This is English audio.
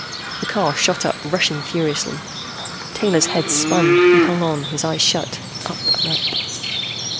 The car shot up, rushing furiously. Taylor's head spun; he hung on, his eyes shut. Up and up....